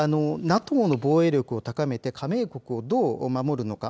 ＮＡＴＯの防衛力を高めて加盟国をどう守るのか。